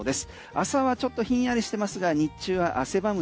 朝はちょっとひんやりしてますが日中は汗ばむ